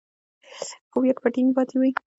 هویت به ټینګ پاتې وي.